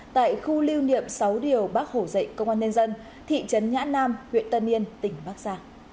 tại khu lưu niệm sáu điều bác hổ dạy công an nhân dân thị trấn nhã nam huyện tân yên tỉnh bắc giang